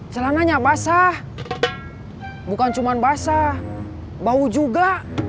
celananya basah bukan cuma basah bau juga